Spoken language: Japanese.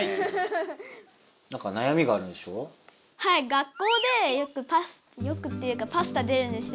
学校でよくよくっていうかパスタ出るんですよ。